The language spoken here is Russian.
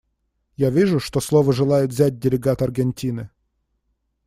Я вижу, что слово желает взять делегат Аргентины.